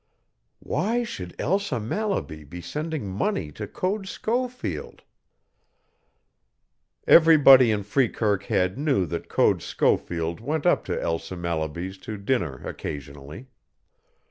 "Why should Elsa Mallaby be sending money to Code Schofield?" Everybody in Freekirk Head knew that Code Schofield went up to Elsa Mallaby's to dinner occasionally.